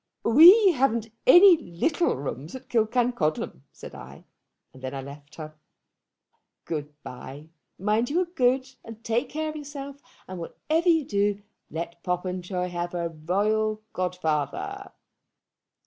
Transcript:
'We haven't any little rooms at Killancodlem,' said I; and then I left her. "Good bye. Mind you are good and take care of yourself; and, whatever you do, let Popenjoy have a royal godfather."